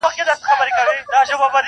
له ځالۍ سره نیژدې پورته یو غار وو -